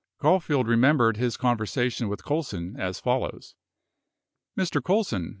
Caulfield remembered his conversation with Colson as follows: Mr. Colson